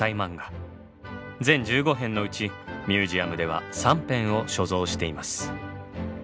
全十五編のうちミュージアムでは三編を所蔵しています。